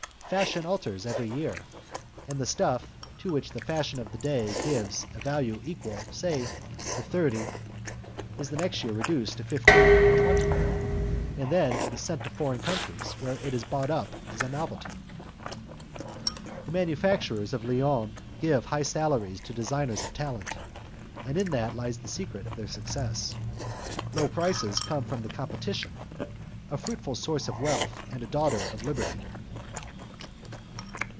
Fashion alters every year, and the stuff, to which the fashion of the day gives a value equal, say to thirty, is the next year reduced to fifteen or twenty, and then it is sent to foreign countries where it is bought up as a novelty. The manufacturers of Lyons give high salaries to designers of talent; in that lies the secret of their success. Low prices come from competition a fruitful source of wealth, and a daughter of Liberty.